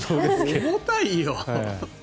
重たいよ。